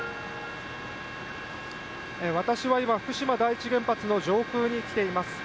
私は今、福島第一原発の上空に来ています。